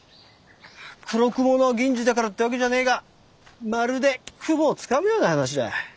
黒雲の銀次だからってわけじゃねえがまるで雲をつかむような話だ。